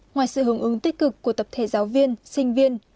ngoài sự hướng ứng tích cực của tập thể giáo viên sinh viên